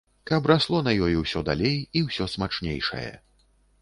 Каб расло на ёй усё далей і ўсё смачнейшае.